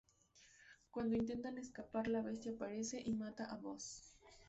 Cuando intentan escapar la bestia aparece y mata a Buzz.